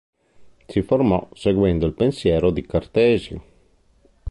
Si formò seguendo il pensiero di Cartesio.